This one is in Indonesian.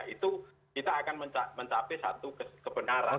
itu kita akan mencapai satu kebenaran